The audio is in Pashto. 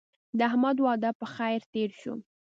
د احمد واده په خیر تېر شو.